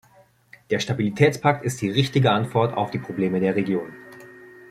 Der Stabilitätspakt ist die richtige Antwort auf die Probleme der Region.